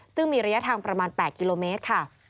ซึ่งมีระยะทางประมาณ๘กิโลเมตรค่ะ